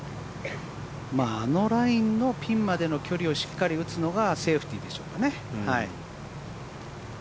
あのラインのピンまでの距離をしっかり打つのがセーフティーでしょうかね。